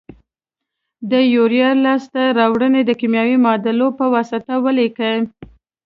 د یوریا لاس ته راوړنه د کیمیاوي معادلو په واسطه ولیکئ.